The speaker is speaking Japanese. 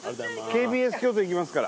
ＫＢＳ京都行きますから。